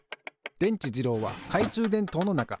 でんちじろうはかいちゅうでんとうのなか。